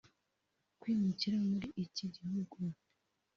Kwimukira muri iki gihugu